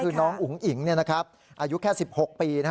คือน้องอุ๋งอิ๋งอายุแค่๑๖ปี